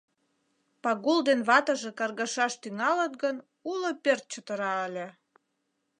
Пагул ден ватыже каргашаш тӱҥалыт гын, уло пӧрт чытыра ыле.